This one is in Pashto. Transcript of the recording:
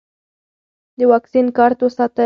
د واکسین کارت وساتئ.